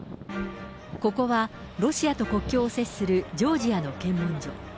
ここは、ロシアと国境を接するジョージアの検問所。